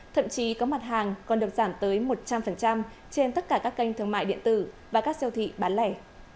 thậm chí có mặt hàng còn được giảm tới một trăm linh trên tất cả các kênh thương mại điện tử và các siêu thị bán lẻ